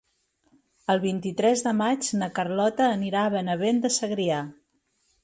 El vint-i-tres de maig na Carlota anirà a Benavent de Segrià.